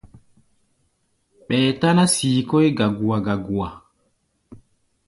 Ɓɛɛ táná sii kɔ́ʼí gagua-gagua.